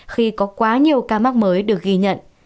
khi có quá nhiều ca mắc mới được ghi nhận